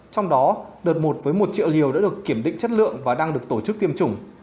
trong đó đợt một với một triệu liều đã được kiểm định chất lượng và đang được tổ chức tiêm chủng